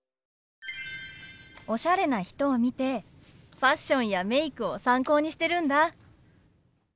おしゃれな人を見てファッションやメイクを参考にしてるんだ。